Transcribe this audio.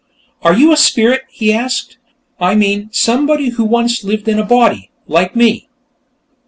"Are you a spirit?" he asked. "I mean, somebody who once lived in a body, like me?"